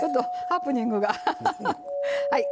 ハプニングが。